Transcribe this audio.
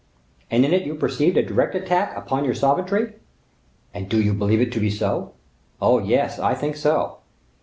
"And in it you perceived a direct attack upon your sovereignty?" "And do you believe it to be so?" "Oh, yes, I think so."